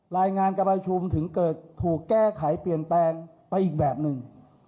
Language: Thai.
รายงานการประชุมถึงเกิดถูกแก้ไขเปลี่ยนแปลงไปอีกแบบหนึ่ง